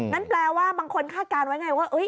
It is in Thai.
นั้นแปลว่าบางคนฆ่าการไว้ไงว่า